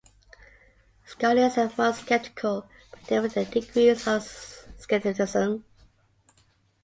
Scholars are more skeptical, but differ in their degrees of skepticism.